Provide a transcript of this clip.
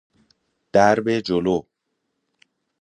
درب جلو